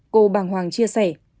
cô bàng hoàng chia sẻ